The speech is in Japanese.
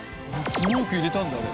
スモーク入れたんだあれ。